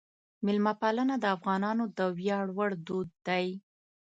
میلمهپالنه د افغانانو د ویاړ وړ دود دی.